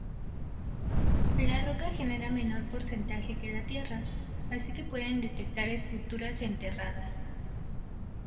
La roca genera menor porcentaje que la tierra, así se pueden detectar estructuras enterradas.